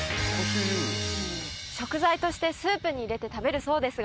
食材としてスープに入れて食べるそうですが